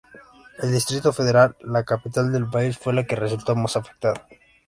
El Distrito Federal, la capital del país, fue la que resultó más afectada.